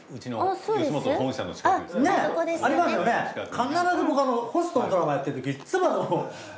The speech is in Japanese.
必ず僕ホストのドラマやってるときいっつもこう。